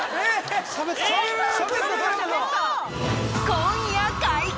今夜解禁。